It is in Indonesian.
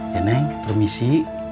ya neng permisi